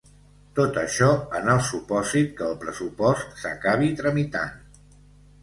Tot això en el supòsit que el pressupost s’acabi tramitant.